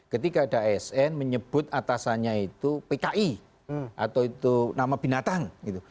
ketika ada asn menyebut atasannya itu pki atau itu nama binatang gitu